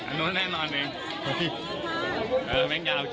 อันนู้นแน่นอนเลย